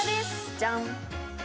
ジャン。